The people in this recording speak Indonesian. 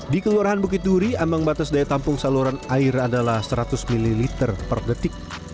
di kelurahan bukit duri ambang batas daya tampung saluran air adalah seratus ml per detik